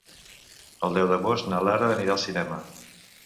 El deu d'agost na Lara anirà al cinema.